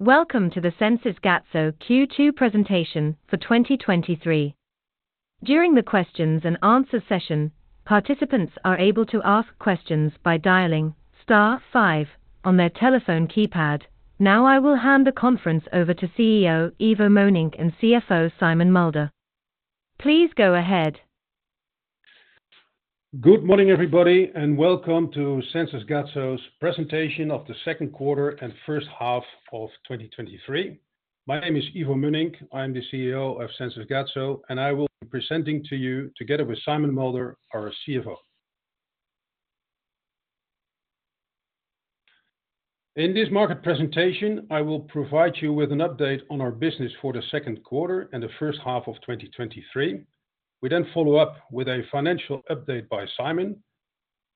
Welcome to the Sensys Gatso Q2 presentation for 2023. During the questions and answer session, participants are able to ask questions by dialing star five on their telephone keypad. Now, I will hand the conference over to CEO, Ivo Mönnink, and CFO, Simon Mulder. Please go ahead. Good morning, everybody, welcome to Sensys Gatso's presentation of the second quarter and first half of 2023. My name is Ivo Mönnink. I'm the CEO of Sensys Gatso, and I will be presenting to you together with Simon Mulder, our CFO. In this market presentation, I will provide you with an update on our business for the second quarter and the first half of 2023. We follow up with a financial update by Simon,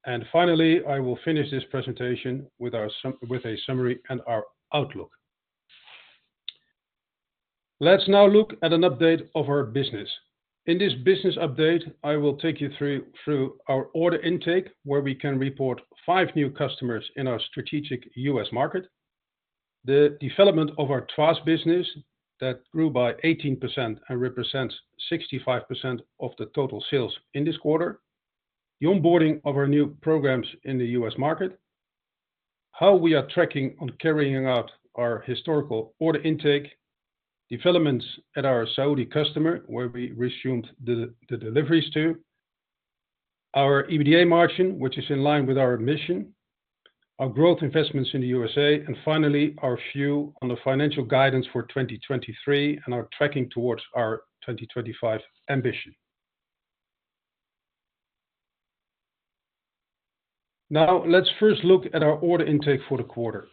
and finally, I will finish this presentation with a summary and our outlook. Let's now look at an update of our business. In this business update, I will take you through our order intake, where we can report five new customers in our strategic U.S. market. The development of our TRaaS business that grew by 18% and represents 65% of the total sales in this quarter. The onboarding of our new programs in the U.S. market, how we are tracking on carrying out our historical order intake, developments at our Saudi customer, where we resumed the deliveries to. Our EBITDA margin, which is in line with our mission, our growth investments in the USA, finally, our view on the financial guidance for 2023 and our tracking towards our 2025 ambition. Let's first look at our order intake for the quarter.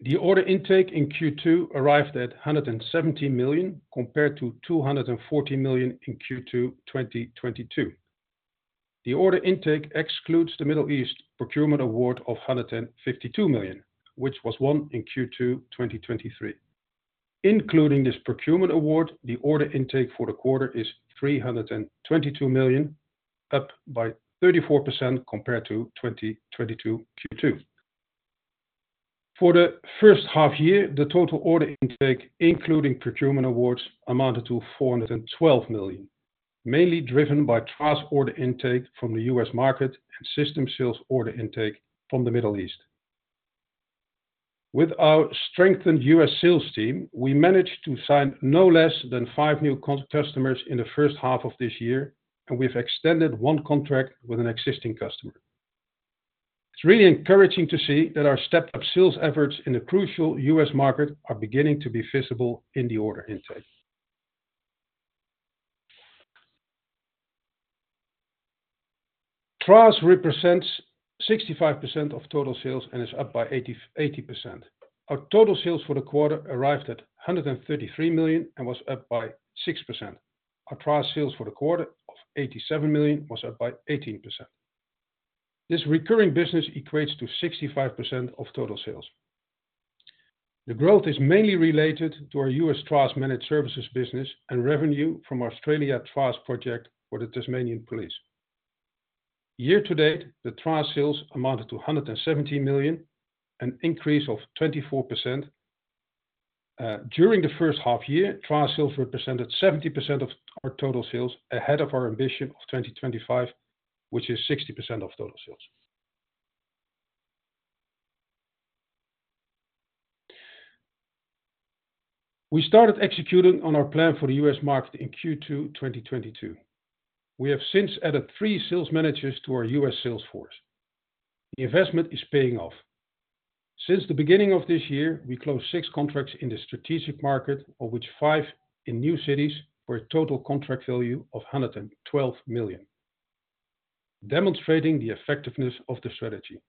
The order intake in Q2 arrived at $117 million, compared to $214 million in Q2 2022. The order intake excludes the Middle East procurement award of $152 million, which was won in Q2 2023. Including this procurement award, the order intake for the quarter is $322 million, up by 34% compared to 2022 Q2. For the first half year, the total order intake, including procurement awards, amounted to $412 million, mainly driven by TRaaS order intake from the U.S. market and system sales order intake from the Middle East. With our strengthened U.S. sales team, we managed to sign no less than five new customers in the first half of this year, and we've extended one contract with an existing customer. It's really encouraging to see that our stepped-up sales efforts in the crucial U.S. market are beginning to be visible in the order intake. TRaaS represents 65% of total sales and is up by 80%, 80%. Our total sales for the quarter arrived at $133 million and was up by 6%. Our TRaaS sales for the quarter of $87 million was up by 18%. This recurring business equates to 65% of total sales. The growth is mainly related to our U.S. TRaaS managed services business and revenue from Australia TRaaS project for the Tasmania Police. Year-to-date, the TRaaS sales amounted to 117 million, an increase of 24%. During the first half year, TRaaS sales represented 70% of our total sales, ahead of our ambition of 2025, which is 60% of total sales. We started executing on our plan for the U.S. market in Q2 2022. We have since added three sales managers to our U.S. sales force. The investment is paying off. Since the beginning of this year, we closed six contracts in the strategic market, of which five in new cities, for a total contract value of 112 million, demonstrating the effectiveness of the strategy.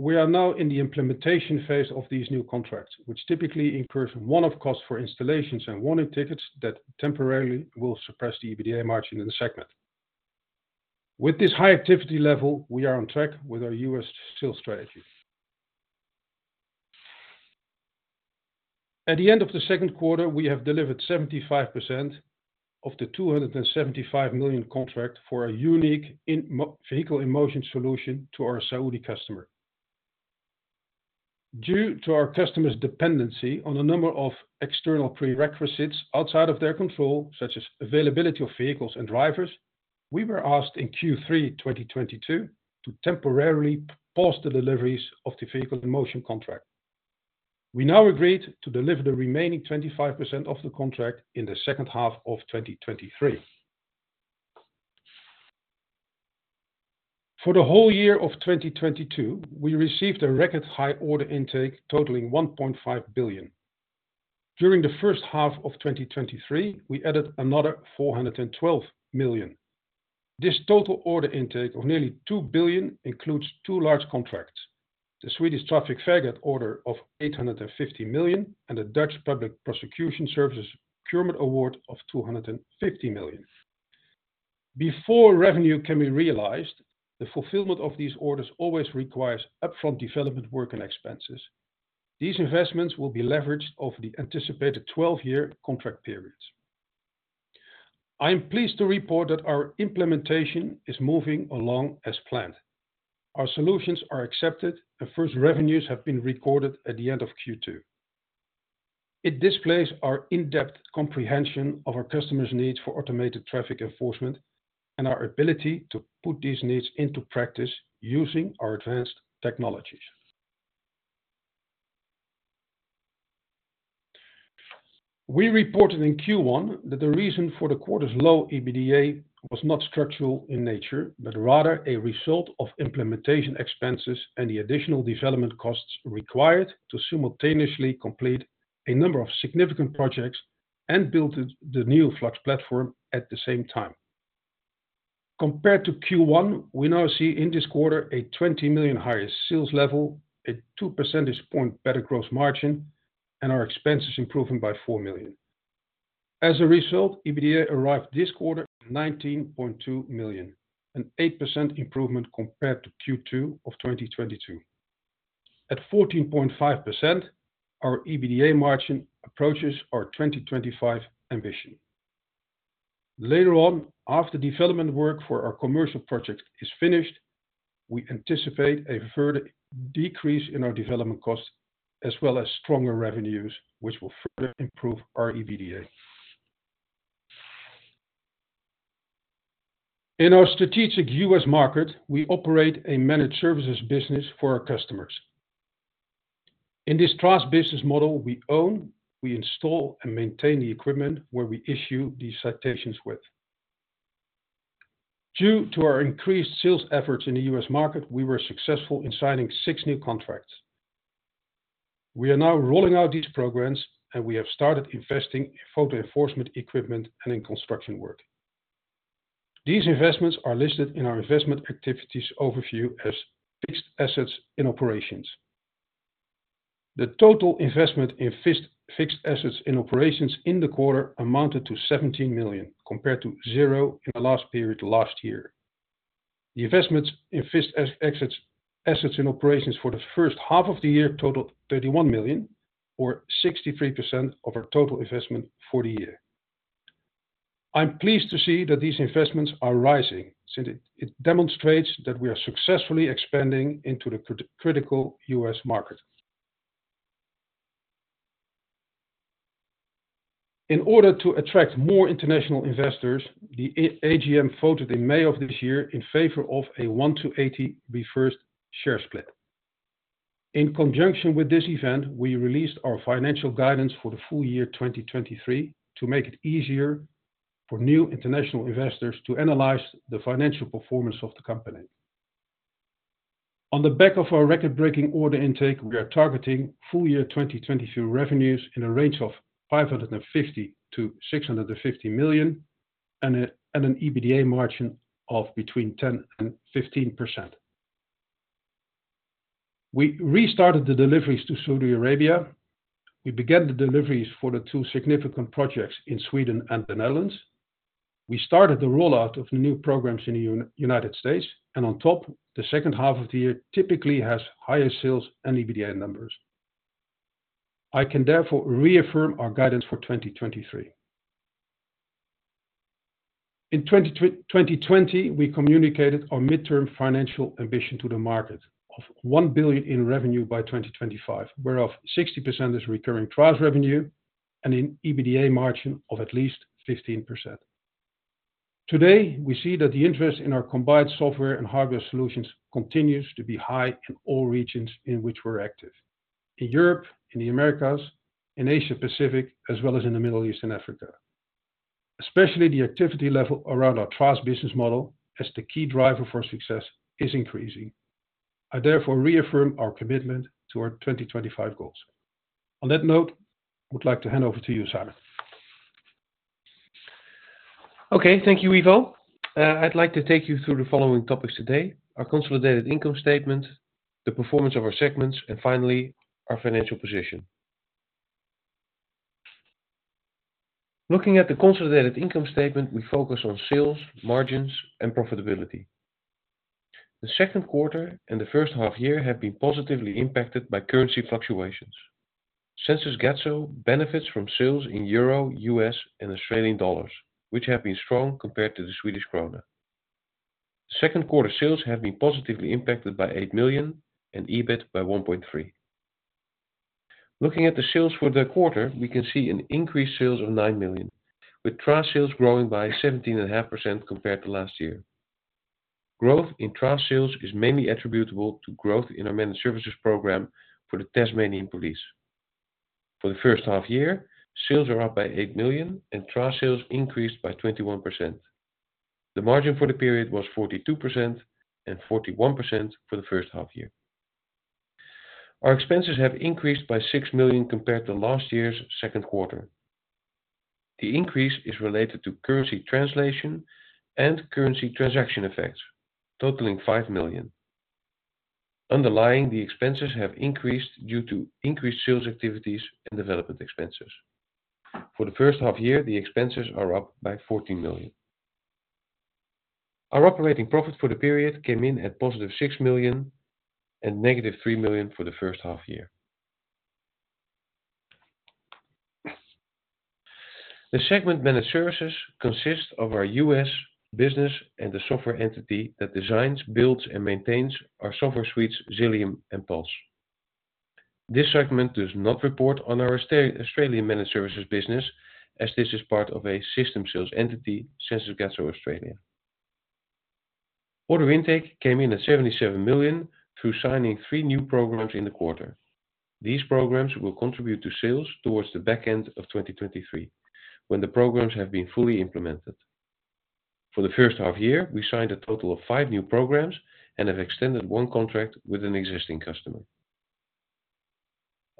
We are now in the implementation phase of these new contracts, which typically incur one-off costs for installations and warning tickets that temporarily will suppress the EBITDA margin in the segment. With this high activity level, we are on track with our U.S. sales strategy. At the end of the second quarter, we have delivered 75% of the 275 million contract for a unique in-vehicle in motion solution to our Saudi customer. Due to our customer's dependency on a number of external prerequisites outside of their control, such as availability of vehicles and drivers, we were asked in Q3 2022 to temporarily pause the deliveries of the in-vehicle in motion contract. We now agreed to deliver the remaining 25% of the contract in the second half of 2023. For the whole year of 2022, we received a record high order intake totaling 1.5 billion. During the first half of 2023, we added another 412 million. This total order intake of nearly 2 billion includes two large contracts: the Swedish Trafikverket order of 850 million and the Dutch Public Prosecution Service procurement award of 250 million. Before revenue can be realized, the fulfillment of these orders always requires upfront development work and expenses. These investments will be leveraged over the anticipated 12-year contract periods. I am pleased to report that our implementation is moving along as planned. Our solutions are accepted, and first revenues have been recorded at the end of Q2. It displays our in-depth comprehension of our customers' needs for automated traffic enforcement and our ability to put these needs into practice using our advanced technologies. We reported in Q1 that the reason for the quarter's low EBITDA was not structural in nature, but rather a result of implementation expenses and the additional development costs required to simultaneously complete a number of significant projects and build the new FLUX platform at the same time. Compared to Q1, we now see in this quarter a 20 million higher sales level, a 2 percentage point better gross margin, and our expenses improving by 4 million. As a result, EBITDA arrived this quarter at 19.2 million, an 8% improvement compared to Q2 of 2022. At 14.5%, our EBITDA margin approaches our 2025 ambition. Later on, after development work for our commercial project is finished, we anticipate a further decrease in our development costs, as well as stronger revenues, which will further improve our EBITDA. In our strategic U.S. market, we operate a managed services business for our customers. In this TRaaS business model, we own, we install and maintain the equipment where we issue these citations with. Due to our increased sales efforts in the U.S. market, we were successful in signing six new contracts. We are now rolling out these programs, and we have started investing in photo enforcement equipment and in construction work. These investments are listed in our investment activities overview as fixed assets in operations. The total investment in fixed assets in operations in the quarter amounted to 17 million, compared to zero in the last period last year. The investments in fixed assets in operations for the first half of the year totaled 31 million, or 63% of our total investment for the year. I'm pleased to see that these investments are rising, since it demonstrates that we are successfully expanding into the critical U.S. market. In order to attract more international investors, the AGM voted in May of this year in favor of a one to 80 reverse stock split. In conjunction with this event, we released our financial guidance for the full year 2023, to make it easier for new international investors to analyze the financial performance of the company. On the back of our record-breaking order intake, we are targeting full year 2022 revenues in a range of 550 million-650 million, and an EBITDA margin of between 10%-15%. We restarted the deliveries to Saudi Arabia. We began the deliveries for the two significant projects in Sweden and the Netherlands. We started the rollout of the new programs in the United States, and on top, the second half of the year typically has higher sales and EBITDA numbers. I can therefore reaffirm our guidance for 2023. In 2020, we communicated our midterm financial ambition to the market of 1 billion in revenue by 2025, whereof 60% is recurring trust revenue and an EBITDA margin of at least 15%. Today, we see that the interest in our combined software and hardware solutions continues to be high in all regions in which we're active, in Europe, in the Americas, in Asia Pacific, as well as in the Middle East and Africa. Especially the activity level around our TRaaS business model as the key driver for success is increasing. I therefore reaffirm our commitment to our 2025 goals. On that note, I would like to hand over to you, Simon. Okay, thank you, Ivo. I'd like to take you through the following topics today: our consolidated income statement, the performance of our segments, and finally, our financial position. Looking at the consolidated income statement, we focus on sales, margins, and profitability. The second quarter and the first half year have been positively impacted by currency fluctuations. Sensys Gatso benefits from sales in Euro, U.S., and Australian dollars, which have been strong compared to the Swedish krona. Second quarter sales have been positively impacted by 8 million and EBIT by 1.3 million. Looking at the sales for the quarter, we can see an increased sales of 9 million, with TRaaS sales growing by 17.5% compared to last year. Growth in TRaaS sales is mainly attributable to growth in our managed services program for the Tasmania Police. For the first half year, sales are up by $8 million. Trust sales increased by 21%. The margin for the period was 42%, and 41% for the first half year. Our expenses have increased by $6 million compared to last year's second quarter. The increase is related to currency translation and currency transaction effects, totaling $5 million. Underlying, the expenses have increased due to increased sales activities and development expenses. For the first half year, the expenses are up by $14 million. Our operating profit for the period came in at positive $6 million and negative $3 million for the first half year. The segment managed services consists of our U.S. business and the software entity that designs, builds, and maintains our software suites, Xilium and Puls. This segment does not report on our Australian Managed Services business, as this is part of a system sales entity, Sensys Gatso Australia. Order intake came in at 77 million through signing three new programs in the quarter. These programs will contribute to sales towards the back end of 2023, when the programs have been fully implemented. For the first half year, we signed a total of five new programs and have extended one contract with an existing customer.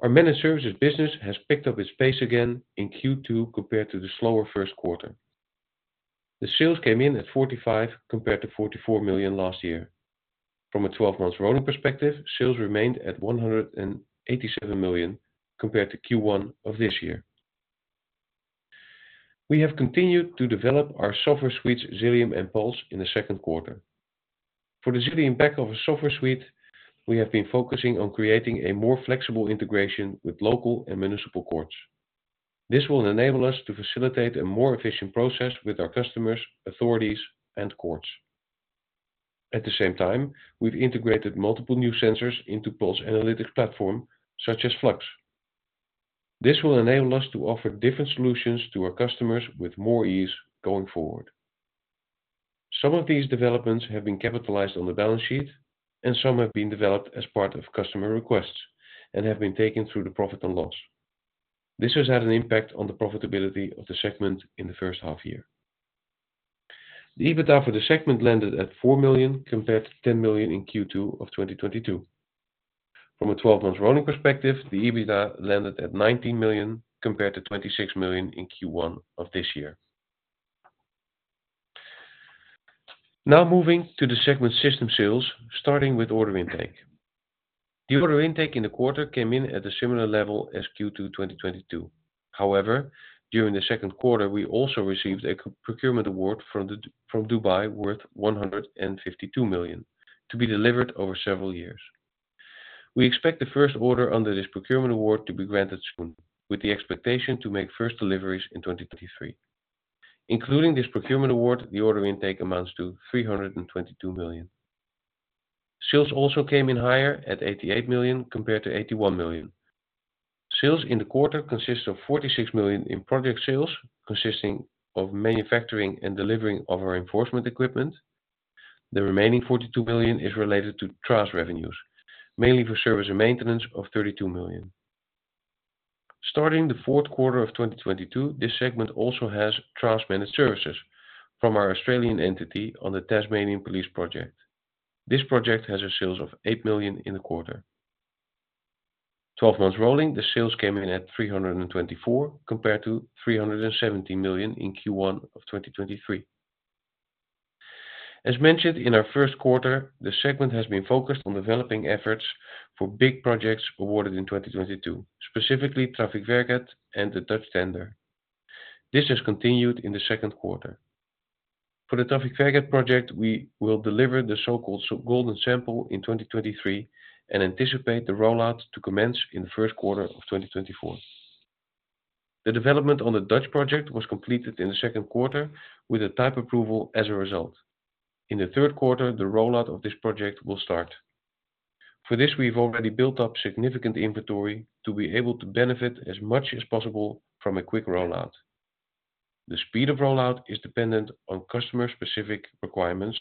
Our managed services business has picked up its pace again in Q2 compared to the slower first quarter. The sales came in at 45 million compared to 44 million last year. From a 12 months rolling perspective, sales remained at 187 million compared to Q1 of this year. We have continued to develop our software suites, Xilium and Puls, in the second quarter. For the Xilium back-office software suite, we have been focusing on creating a more flexible integration with local and municipal courts. This will enable us to facilitate a more efficient process with our customers, authorities, and courts. At the same time, we've integrated multiple new sensors into Puls analytics platform, such as FLUX. This will enable us to offer different solutions to our customers with more ease going forward. Some of these developments have been capitalized on the balance sheet, and some have been developed as part of customer requests and have been taken through the profit and loss. This has had an impact on the profitability of the segment in the first half year. The EBITDA for the segment landed at 4 million compared to 10 million in Q2 of 2022. From a 12 months rolling perspective, the EBITDA landed at 19 million compared to 26 million in Q1 of this year. Moving to the segment system sales, starting with order intake. The order intake in the quarter came in at a similar level as Q2 2022. During the second quarter, we also received a procurement award from Dubai worth 152 million, to be delivered over several years. We expect the first order under this procurement award to be granted soon, with the expectation to make first deliveries in 2023. Including this procurement award, the order intake amounts to 322 million. Sales also came in higher at 88 million compared to 81 million. Sales in the quarter consists of 46 million in project sales, consisting of manufacturing and delivering of our enforcement equipment. The remaining 42 million is related to trust revenues, mainly for service and maintenance of 32 million. Starting the fourth quarter of 2022, this segment also has trust managed services from our Australian entity on the Tasmania Police project. This project has a sales of 8 million in the quarter. Twelve months rolling, the sales came in at 324 million compared to 317 million in Q1 of 2023. As mentioned in our first quarter, the segment has been focused on developing efforts for big projects awarded in 2022, specifically Trafikverket and the Dutch tender. This has continued in the second quarter. For the Trafikverket project, we will deliver the so-called golden sample in 2023 and anticipate the rollout to commence in the first quarter of 2024. The development on the Dutch project was completed in the second quarter with a type approval as a result. In the third quarter, the rollout of this project will start. For this, we've already built up significant inventory to be able to benefit as much as possible from a quick rollout. The speed of rollout is dependent on customer-specific requirements,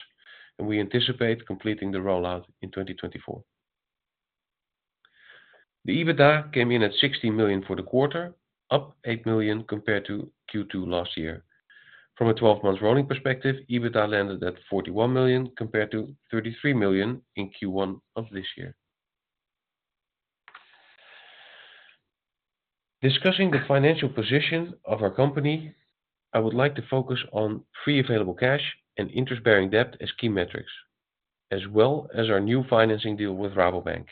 and we anticipate completing the rollout in 2024. The EBITDA came in at 16 million for the quarter, up 8 million compared to Q2 last year. From a 12-month rolling perspective, EBITDA landed at 41 million compared to 33 million in Q1 of this year. Discussing the financial position of our company, I would like to focus on free available cash and interest bearing debt as key metrics, as well as our new financing deal with Rabobank.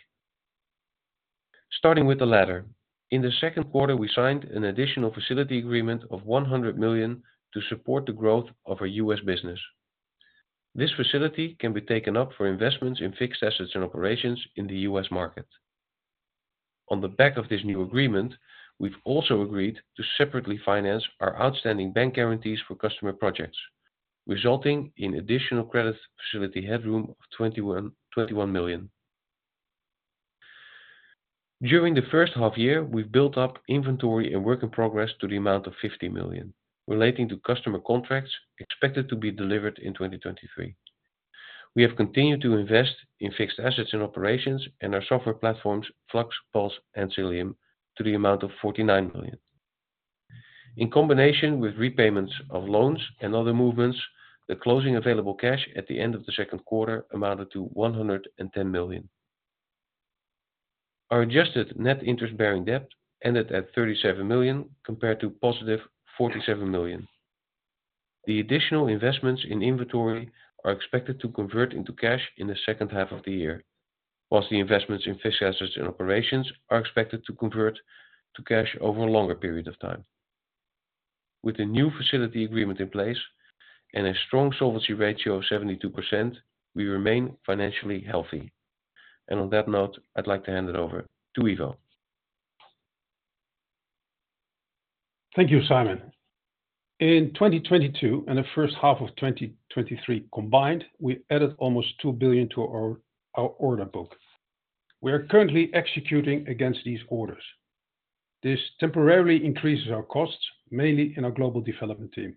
Starting with the latter, in the second quarter, we signed an additional facility agreement of $100 million to support the growth of our U.S. business. This facility can be taken up for investments in fixed assets and operations in the U.S. market. On the back of this new agreement, we've also agreed to separately finance our outstanding bank guarantees for customer projects, resulting in additional credit facility headroom of $21 million. During the first half year, we've built up inventory and work in progress to the amount of $50 million, relating to customer contracts expected to be delivered in 2023. We have continued to invest in fixed assets and operations and our software platforms, FLUX, Puls, and Xilium, to the amount of $49 million. In combination with repayments of loans and other movements, the closing available cash at the end of the second quarter amounted to 110 million. Our adjusted net interest bearing debt ended at 37 million compared to +47 million. The additional investments in inventory are expected to convert into cash in the second half of the year, while the investments in fixed assets and operations are expected to convert to cash over a longer period of time. With the new facility agreement in place and a strong solvency ratio of 72%, we remain financially healthy. On that note, I'd like to hand it over to Ivo. Thank you, Simon. In 2022 and the first half of 2023 combined, we added almost 2 billion to our order book. We are currently executing against these orders. This temporarily increases our costs, mainly in our global development team.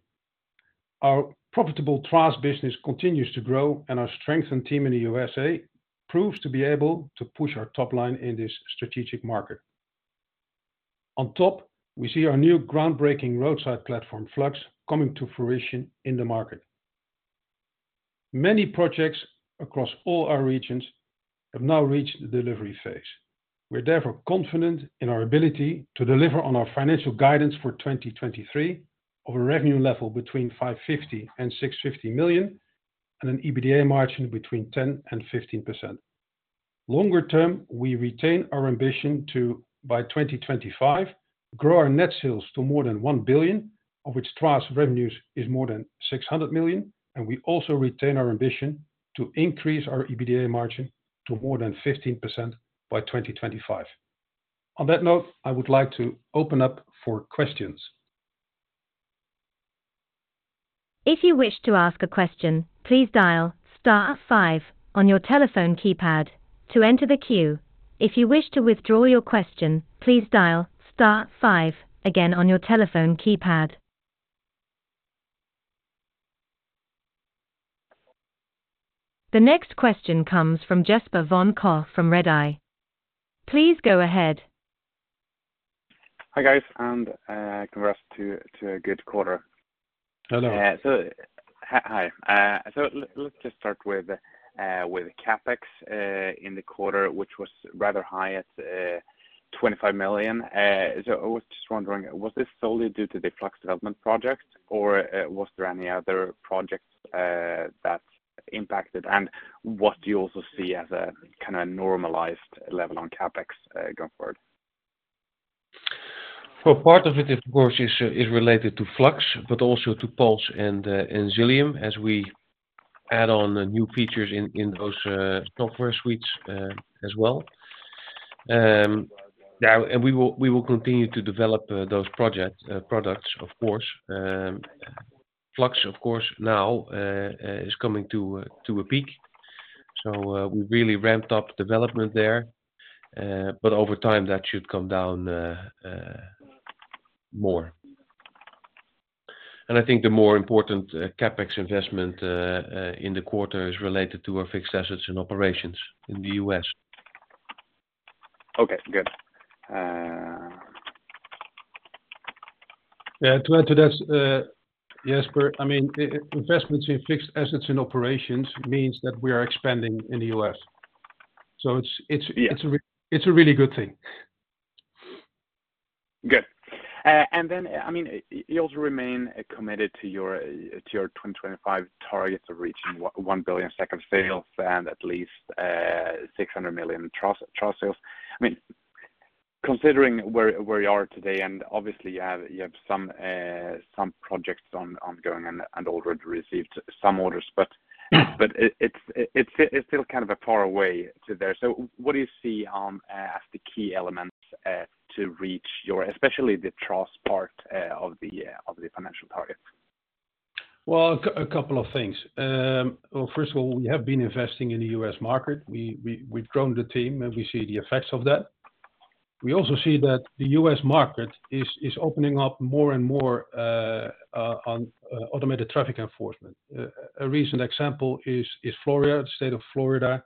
Our profitable TRaaS business continues to grow. Our strengthened team in the USA proves to be able to push our top line in this strategic market. On top, we see our new groundbreaking roadside platform, FLUX, coming to fruition in the market. Many projects across all our regions have now reached the delivery phase. We're therefore confident in our ability to deliver on our financial guidance for 2023 of a revenue level between 550 million and 650 million, an EBITDA margin between 10% and 15%. Longer term, we retain our ambition to, by 2025, grow our net sales to more than 1 billion, of which TRaaS revenues is more than 600 million. We also retain our ambition to increase our EBITDA margin to more than 15% by 2025. On that note, I would like to open up for questions. If you wish to ask a question, please dial star five on your telephone keypad to enter the queue. If you wish to withdraw your question, please dial star five again on your telephone keypad. The next question comes from Jesper von Koch from Redeye. Please go ahead. Hi, guys, congrats to a good quarter. Hello. Hi. Let's just start with CapEx in the quarter, which was rather high at 25 million. I was just wondering, was this solely due to the FLUX development project, or was there any other projects that impacted? What do you also see as a kind of normalized level on CapEx going forward? Well, part of it, of course, is, is related to FLUX, but also to Puls and Xilium, as we add on the new features in, in those software suites, as well. Now, we will continue to develop those projects, products, of course. FLUX, of course, now, is coming to a, to a peak, so we really ramped up development there, but over time, that should come down, more. I think the more important CapEx investment in the quarter is related to our fixed assets and operations in the U.S. Okay, good. Yeah, to add to this, Jesper, I mean, investments in fixed assets and operations means that we are expanding in the U.S. It's it's a really good thing. Good. Then, I mean, you also remain committed to your, to your 2025 targets of reaching 1 billion SEK sales and at least, 600 million TRaaS, TRaaS sales. I mean, considering where, where you are today, and obviously you have, you have some, some projects on ongoing and, and already received some orders, but it's still kind of a far away to there. What do you see as the key elements to reach your, especially the TRaaS part, of the of the financial targets? Well, a couple of things. Well, first of all, we have been investing in the U.S. market. We've grown the team, and we see the effects of that. We also see that the U.S. market is opening up more and more on automated traffic enforcement. A recent example is Florida, state of Florida,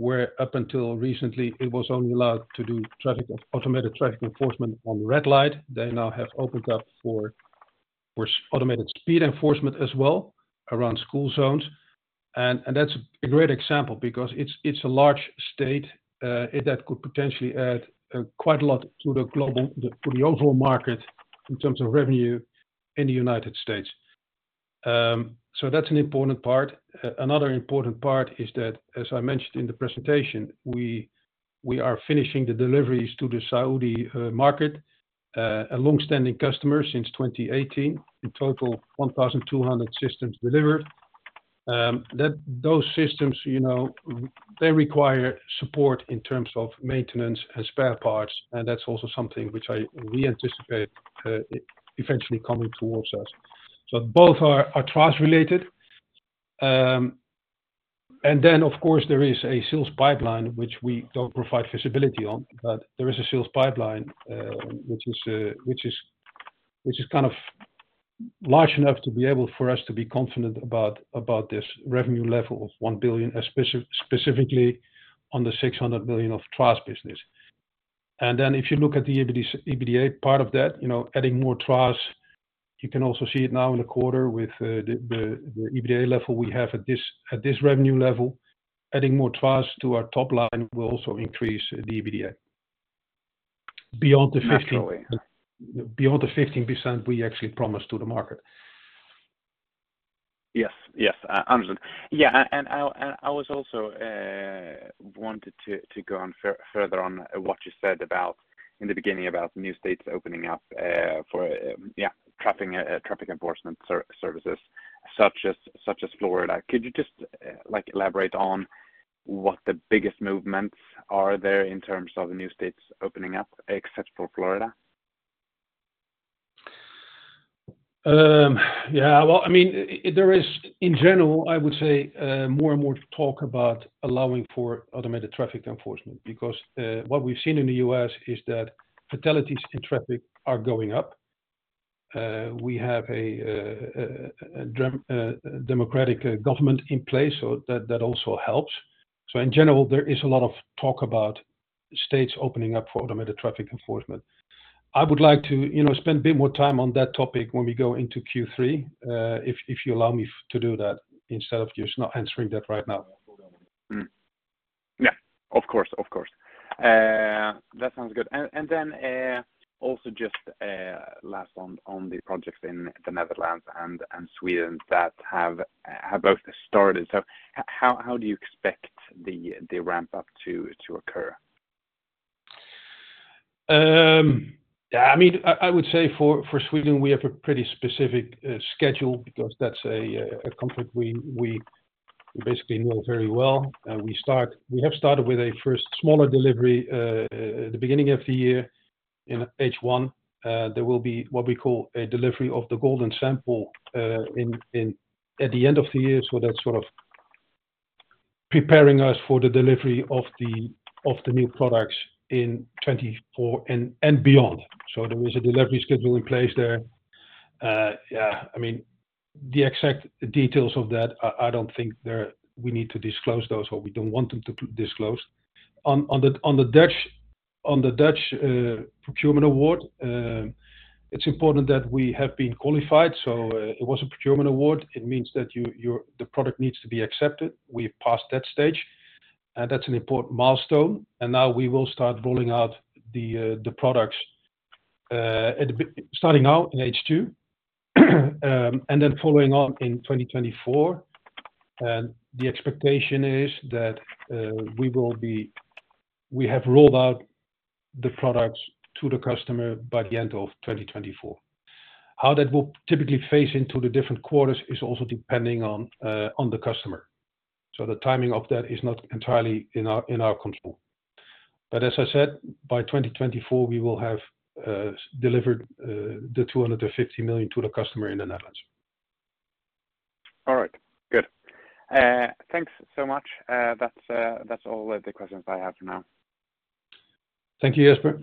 where up until recently, it was only allowed to do traffic, automated traffic enforcement on red light. They now have opened up for automated speed enforcement as well around school zones, and that's a great example because it's a large state, and that could potentially add quite a lot to the overall market in terms of revenue in the United States. That's an important part. Another important part is that, as I mentioned in the presentation, we, we are finishing the deliveries to the Saudi market, a long-standing customer since 2018. In total, 1,200 systems delivered. That, those systems, you know, they require support in terms of maintenance and spare parts, and that's also something which we anticipate eventually coming towards us. So both are TRaaS related. Then, of course, there is a sales pipeline, which we don't provide visibility on, but there is a sales pipeline, which is, which is, which is kind of large enough to be able for us to be confident about, about this revenue level of 1 billion, specifically on the 600 million of TRaaS business. If you look at the EBITDA part of that, you know, adding more TRaaS, you can also see it now in the quarter with, the, the, the EBITDA level we have at this, at this revenue level. Adding more TRaaS to our top line will also increase the EBITDA. Beyond the 15- Naturally. Beyond the 15% we actually promised to the market. Yes, yes, understood. I was also wanted to go on further on what you said about in the beginning about new states opening up for traffic, traffic enforcement services, such as Florida. Could you just like elaborate on what the biggest movements are there in terms of new states opening up, except for Florida? Yeah, well, I mean, there is in general, I would say, more and more talk about allowing for automated traffic enforcement, because what we've seen in the U.S. is that fatalities in traffic are going up. We have a democratic government in place, so that, that also helps. In general, there is a lot of talk about states opening up for automated traffic enforcement. I would like to, you know, spend a bit more time on that topic when we go into Q3, if, if you allow me to do that, instead of just not answering that right now. Yeah, of course, of course. That sounds good. Then, also just, last on, on the projects in the Netherlands and Sweden that have both started. How do you expect the ramp up to occur? Yeah, I mean, I, I would say for, for Sweden, we have a pretty specific schedule because that's a conflict we, we basically know very well. We have started with a first smaller delivery at the beginning of the year. In H1, there will be what we call a delivery of the golden sample at the end of the year. That's sort of preparing us for the delivery of the new products in 2024 and beyond. There is a delivery schedule in place there. Yeah, I mean, the exact details of that, I, I don't think there we need to disclose those, or we don't want them to disclose. On the Dutch procurement award, it's important that we have been qualified. It was a procurement award. It means that the product needs to be accepted. We've passed that stage, and that's an important milestone, and now we will start rolling out the products starting now in H2, and then following on in 2024. The expectation is that we have rolled out the products to the customer by the end of 2024. How that will typically phase into the different quarters is also depending on the customer. The timing of that is not entirely in our control. As I said, by 2024, we will have delivered 250 million to the customer in the Netherlands. All right, good. Thanks so much. That's all the questions I have for now. Thank you, Jesper.